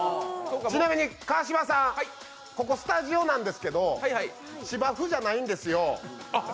ちなみに川島さん、ここ、スタジオなんですけど芝生じゃないんですよ。